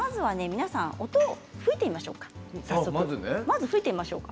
皆さん音を吹いてみましょうかまずね。